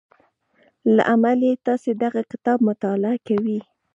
له امله يې تاسې دغه کتاب مطالعه کوئ.